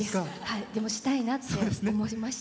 でも、したいなって思いました。